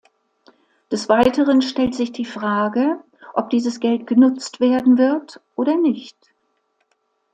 Des Weiteren stellt sich die Frage, ob dieses Geld genutzt werden wird oder nicht.